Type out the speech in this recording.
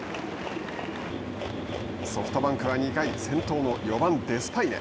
ソフトバンクは２回先頭の４番デスパイネ。